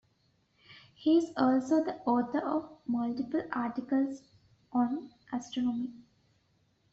He is also the author of multiple articles on astronomy.